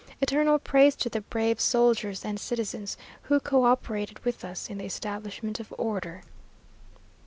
Eternal praise to the brave soldiers and citizens who co operated with us in the establishment of order!"